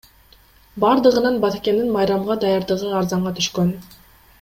Бардыгынан Баткендин майрамга даярдыгы арзанга түшкөн.